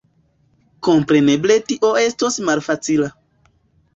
Kompreneble tio estos malfacila.